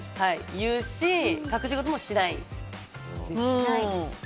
言うし、隠し事もしないです。